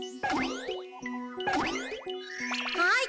はい。